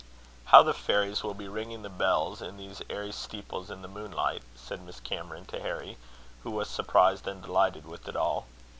"How the fairies will be ringing the bells in these airy steeples in the moonlight!" said Miss Cameron to Harry, who was surprised and delighted with it all.